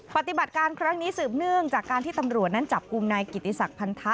ปฏิบัติการครั้งนี้สืบเนื่องจากการที่ตำรวจนั้นจับกลุ่มนายกิติศักดิพันธะ